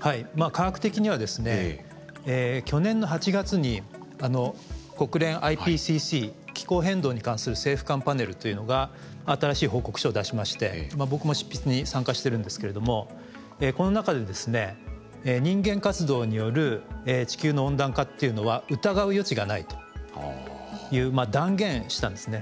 科学的にはですね去年の８月に国連ＩＰＣＣ気候変動に関する政府間パネルというのが新しい報告書を出しまして僕も執筆に参加してるんですけれどもこの中でですね人間活動による地球の温暖化というのは疑う余地がないという断言したんですね。